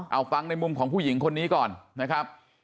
เอาฟังในมุมของผู้หญิงคนนี้ก่อนนะครับ